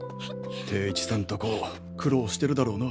貞一さんとこ苦労してるだろうな。